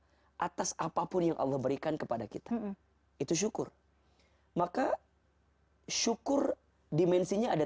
atas apapun yang allah berikan kepada kita itu syukur maka syukur dimensinya ada